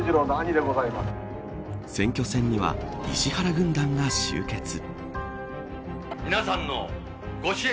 選挙戦には石原軍団が集結。